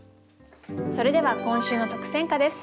それでは今週の特選歌です。